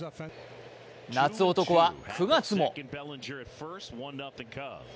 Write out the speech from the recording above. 夏男は９月も！